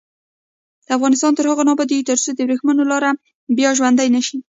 افغانستان تر هغو نه ابادیږي، ترڅو د وریښمو لار بیا ژوندۍ نشي.